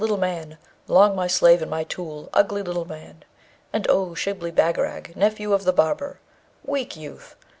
little man, long my slave and my tool; ugly little man! And O Shibli Bagarag! nephew of the barber! weak youth!